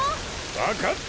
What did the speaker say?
わかった！